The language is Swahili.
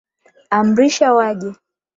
Amrisha waje